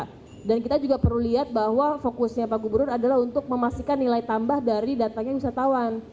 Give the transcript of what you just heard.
jadi kita juga perlu lihat bahwa fokusnya pak gubernur adalah untuk memastikan nilai tambah dari datanya wisatawan